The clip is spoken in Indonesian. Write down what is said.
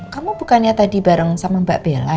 kamu bukannya tadi bareng sama mbak bella